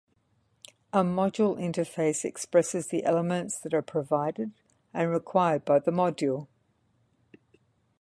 A module interface expresses the elements that are provided and required by the module.